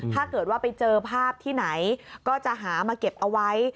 ถ้าเกิดว่าไปเจอภาพที่ไหนก็จะหามาเก็บเอาไว้